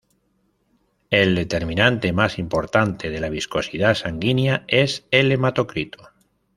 El determinante más importante de la viscosidad sanguínea es el hematocrito.